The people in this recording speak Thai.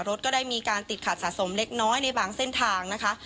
รถก็ได้มีการติดขัดสะสมเล็กน้อยในบางเส้นทางนะคะ